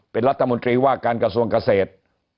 เป็นรัฐมนตรีว่าการกระทรวงเกษตร